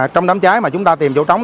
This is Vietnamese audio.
trong đám trái mà chúng ta tìm chỗ trống